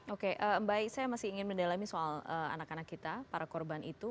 oke baik saya masih ingin mendalami soal anak anak kita para korban itu